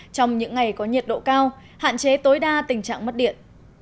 trong những ngày có nhiệt độ cao hạn chế tối đa tình trạng mất điện